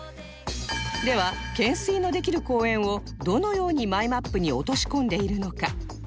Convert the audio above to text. では懸垂のできる公園をどのようにマイマップに落とし込んでいるのか？